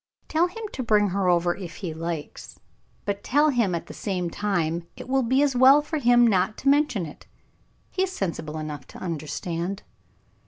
Tell him to bring her over if he likes; but tell him at the same time, it will be as well for him not to mention it he is sensible enough to understand."